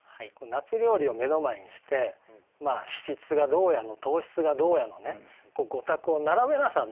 夏料理を目の前にして脂質がどうやの糖質がどうやのね御託を並べなさんなと。